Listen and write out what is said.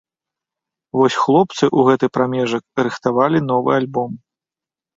Вось хлопцы ў гэты прамежак рыхтавалі новы альбом.